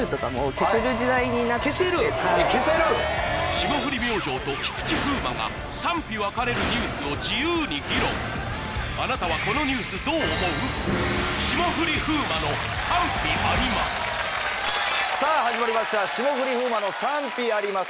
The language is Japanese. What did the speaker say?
霜降り明星と菊池風磨が賛否分かれるニュースを自由に議論さぁ始まりました『霜降り風磨の賛否アリマス』。